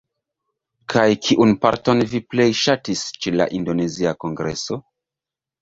Kaj kiun parton vi plej ŝatis ĉe la indonezia kongreso?